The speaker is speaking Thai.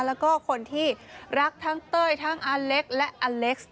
แล้วก็คนที่รักทั้งเต้ยทั้งอเล็กและอเล็กซ์